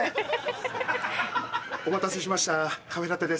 お待たせしましたカフェラテです。